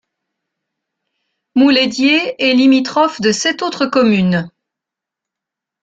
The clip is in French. Mouleydier est limitrophe de sept autres communes.